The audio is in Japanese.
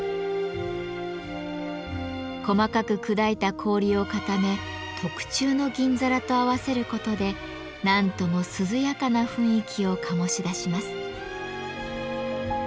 細かく砕いた氷を固め特注の銀皿と合わせることで何とも涼やかな雰囲気を醸し出します。